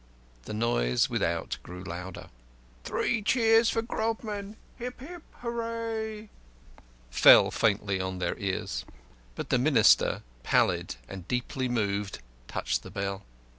The noise without grew louder. "Three cheers for Grodman! Hip, hip, hip, hooray," fell faintly on their ears. But the Minister, pallid and deeply moved, touched the bell.